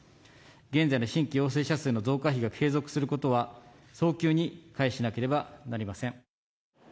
現在の新規陽性者数の増加比が継続することは、早急に回避しなければなりません。